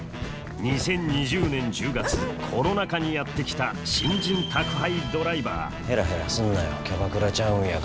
２０２０年１０月コロナ禍にやって来た新人宅配ドライバーヘラヘラすんなよ。